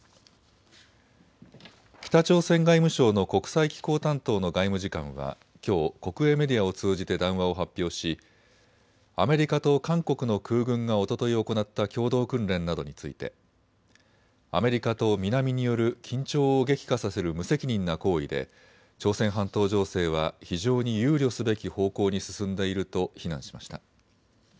北朝鮮外務省の国際機構担当の外務次官はきょう国営メディアを通じて談話を発表しアメリカと韓国の空軍がおととい行った共同訓練などについてアメリカと南による緊張を激化させる無責任な行為で朝鮮半島情勢は非常に憂慮すべき方向に進んでいると非難しました。